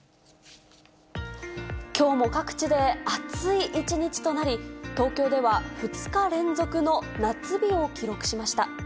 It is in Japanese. きょうも各地で暑い一日となり、東京では２日連続の夏日を記録しました。